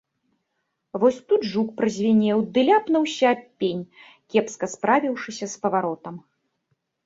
Вось тут жук празвінеў ды ляпнуўся аб пень, кепска справіўшыся з паваротам.